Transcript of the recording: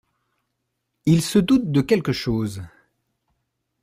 Il se doute de quelque chose.